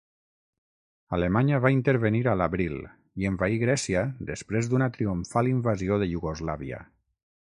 Alemanya va intervenir a l'abril, i envaí Grècia després d'una triomfal Invasió de Iugoslàvia.